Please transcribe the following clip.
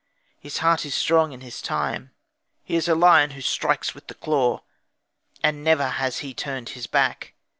His heart is strong in his time; he is a lion who strikes with the claw, and never has he turned his back.